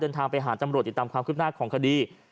เดินทางไปหาจำรวจตามความคลิปหน้าของคดี